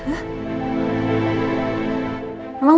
kita bisa berhenti